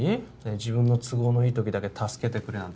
自分の都合のいい時だけ助けてくれなんて